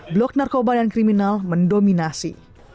blok narkoba dan kriminal mendominasi